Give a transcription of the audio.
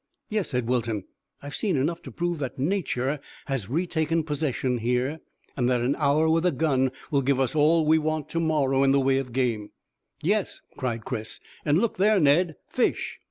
"Yes," said Wilton; "I've seen enough to prove that Nature has retaken possession here, and that an hour with a gun will give us all we want to morrow in the way of game." "Yes," cried Chris; "and look there, Ned fish."